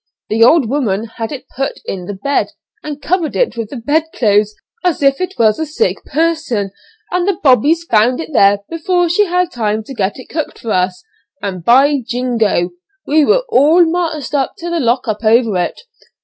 The old woman had it put in the bed, and covered it with the bed clothes, as if it was a sick person; and the 'bobbies' found it there before she had time to get it cooked for us, and, by jingo! we were all marched up to the 'lock up' over it.